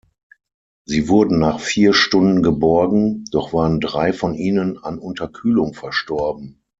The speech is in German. Sie wurden nach vier Stunden geborgen, doch waren drei von ihnen an Unterkühlung verstorben.